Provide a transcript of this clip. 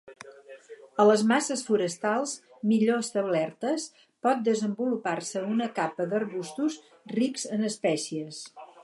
A les masses forestals millor establertes pot desenvolupar-se una capa d'arbustos rics en espècies.